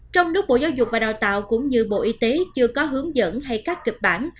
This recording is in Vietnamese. trong lúc bộ giáo dục và đào tạo cũng như bộ y tế chưa có hướng dẫn hay các kịch bản